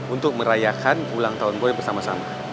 untuk merayakan ulang tahun boleh bersama sama